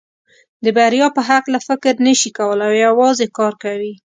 د بریا په هکله فکر نشي کولای او یوازې کار کوي.